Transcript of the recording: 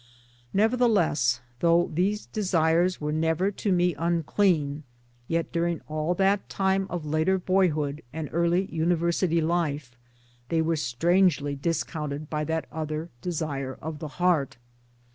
Nevertheless though these desires were never to me unclean, yet during all that time of later boyhood and early university life they were strangely dis counted by that other desire of the heart.